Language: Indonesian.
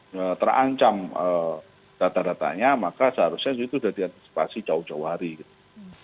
ya terancam data datanya maka seharusnya itu sudah diantisipasi jauh jauh hari gitu